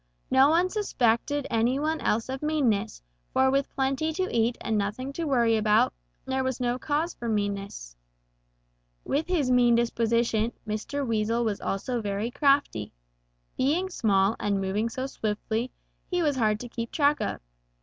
No one suspected any one else of meanness, for with plenty to eat and nothing to worry about, there was no cause for meanness. "With his mean disposition, Mr. Weasel was also very crafty. Being small and moving so swiftly, he was hard to keep track of.